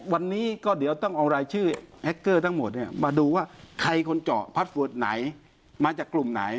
วันนี้ก็เดี๋ยวตั้งเอารายชื่อตั้งหมดเนี้ยมาดูว่าใครคนจอกไหนมาจากกลุ่มไหน